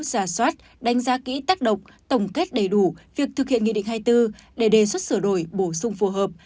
giả soát đánh giá kỹ tác độc tổng kết đầy đủ việc thực hiện nghị định hai mươi bốn để đề xuất sửa đổi bổ sung phù hợp